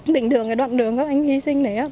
bình thường đoạn đường các anh hy sinh này